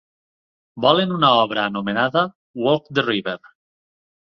Volen una obra anomenada "Walk the River"